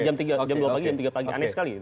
jam dua pagi jam tiga pagi aneh sekali